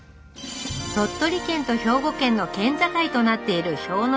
鳥取県と兵庫県の県境となっている氷ノ